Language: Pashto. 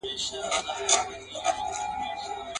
او یوازي هغه څوک هلته پایېږي.